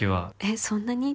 「えっそんなに？」